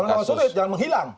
kalau mempersulit jangan menghilang